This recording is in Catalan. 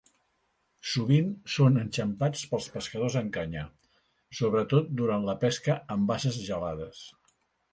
Sovint són enxampats pels pescadors amb canya, sobretot durant la pesca en basses gelades.